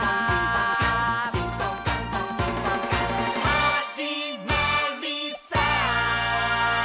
「はじまりさー」